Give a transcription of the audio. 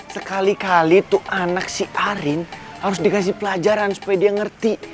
sekali kali itu anak si arin harus dikasih pelajaran supaya dia ngerti